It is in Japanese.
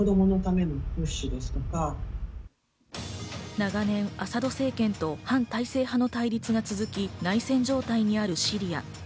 長年、アサド政権と反体制派の対立が続き、内戦状態にあるシリア。